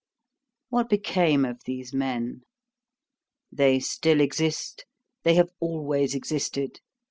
What became of these men? They still exist. They have always existed.